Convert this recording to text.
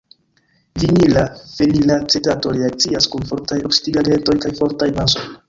Vinila fenilacetato reakcias kun fortaj oksidigagentoj kaj fortaj bazoj.